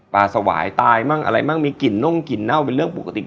สวายตายมั่งอะไรมั่งมีกลิ่นน่งกลิ่นเน่าเป็นเรื่องปกติ